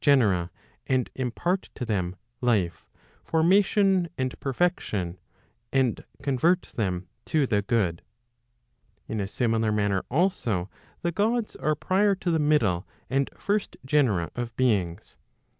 genera, and impart to them life, formation and perfection, and convert them to the good. In a similar manner also, the Gods are prior to the middle and first genera of beings.